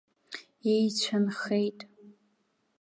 Еицәа нхеит.